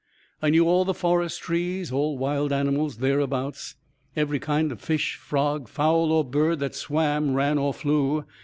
I knew all the forest trees, all wild animals thereabout, every kind of fish, frog, fowl or bird that swam, ran or flew.